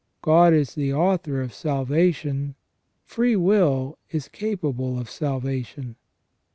God is the author of salvation : free will is capable of salvation.